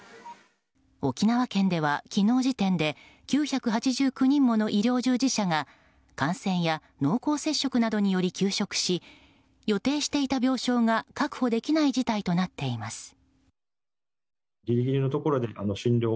沖縄県では昨日時点で９８９人もの医療従事者が感染や濃厚接触などにより休職し、予定していた病床が確保できない事態となっています。